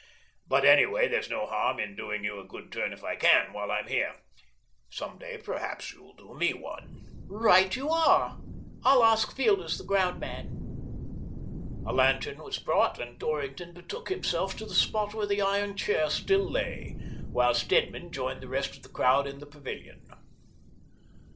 But anyway there's no harm in doing you a good turn if I can, while I'm here. Some day perhaps you'll do me one." "Eight you are — I'll ask Fielders, the ground man." A lantern was brought, and Dorrington betook himself to the spot where the iron chair still lay, while Stedman joined the rest of the crowd in the pavilion.